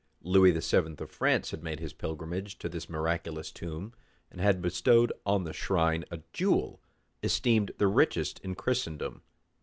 [*] Lewis VII. of France had made a pilgrimage to this miraculous tomb, and had bestowed on the shrine a jewel, esteemed the richest in Christendom.